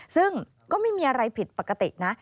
ซึ่งก็ไม่มีอะไรผิดปกตินะ